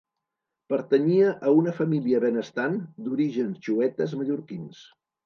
Pertanyia a una família benestant d'orígens xuetes mallorquins.